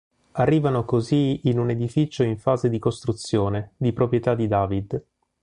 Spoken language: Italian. Arrivano così in un edificio in fase di costruzione, di proprietà di David.